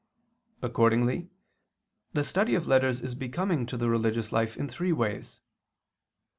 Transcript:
Accordingly the study of letters is becoming to the religious life in three ways.